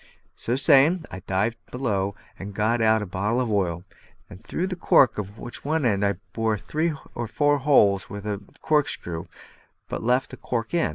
So saying, I dived below and got out a bottle of oil, through the cork of which I bored three or four holes with a corkscrew, but left the cork in.